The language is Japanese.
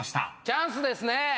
チャンスですね。